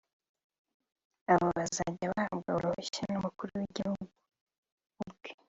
abo bazajya bahabwa uruhushya n'umukuru w'igihugu ubwe